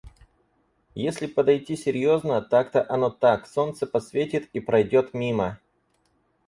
Если подойти серьезно — так-то оно так. Солнце посветит — и пройдет мимо.